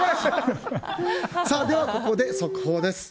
ではここで速報です。